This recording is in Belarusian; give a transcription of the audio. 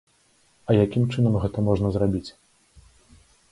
А якім чынам гэта можна зрабіць?